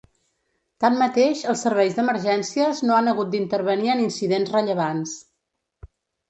Tanmateix, els serveis d’emergències no han hagut d’intervenir en incidents rellevants.